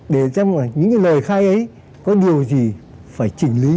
để cho những lời khai ấy có điều gì phải chỉnh lý